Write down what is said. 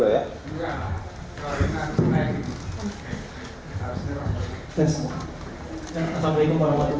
hanya itu yang saya ingin terima kasih